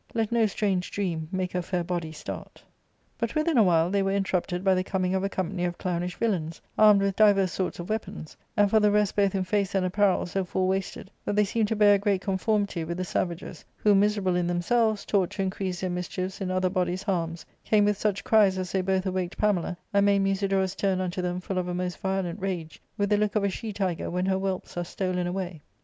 Let no strange dream make her fair body start" But within a while they were interrupted by the coming of a company of clownish villains, armed with divers sorts of weapons, and for the rest both in face and apparel so for wasted that they seemed to bear a great conformity with the savages ; who, miserable in themselves, taught to increase their mischiefs in other bodies' harms, came with such cries as they both awaked Pamela, and made Musidorus turn unto them full of a most violent rage, with the look of. a she tiger when her whelps are stolen away.